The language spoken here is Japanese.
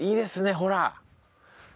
ほら。